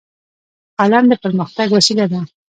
قلم د پرمختګ وسیله ده